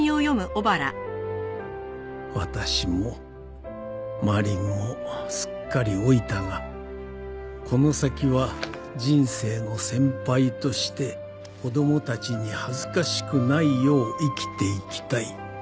「私もマリンもすっかり老いたがこの先は人生の先輩として子供達に恥ずかしくないよう生きていきたい」